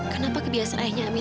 kenapa kebiasaannya amir